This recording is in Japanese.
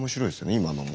今のも。